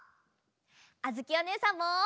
あづきおねえさんも！